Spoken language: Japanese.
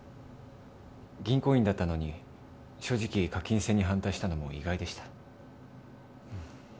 銀行員だったのに正直課金制に反対したのも意外でした